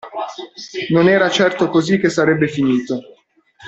Non era certo così che sarebbe finito.